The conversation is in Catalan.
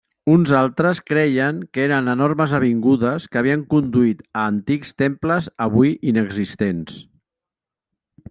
Uns altres creien que eren enormes avingudes que havien conduït a antics temples avui inexistents.